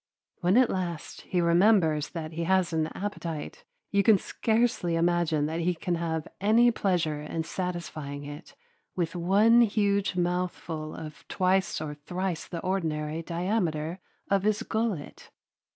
When at last he remembers that he has an appetite, you can scarcely imagine that he can have any pleasure in satisfying it with one huge mouthful of twice or thrice the ordinary diameter of his gullet.